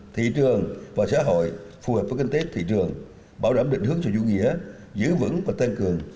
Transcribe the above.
thị trường và xã hội phù hợp với kinh tế thị trường bảo đảm định hướng sự dụ nghĩa giữ vững và tăng cường